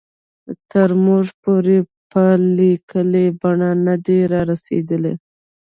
تر موږ پورې په لیکلې بڼه نه دي را رسېدلي.